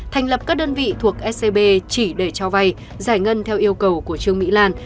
thành lập các đơn vị thuộc scb chỉ để cho vay giải ngân theo yêu cầu của trương mỹ lan